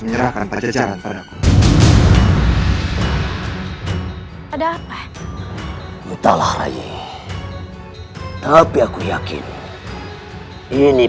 menyerahkan pecah pecahan pada aku ada apa entahlah rai tapi aku yakin ini